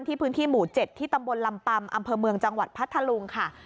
พื้นที่หมู่๗ที่ตำบลลำปำอำเภอเมืองจังหวัดพัทธลุงค่ะ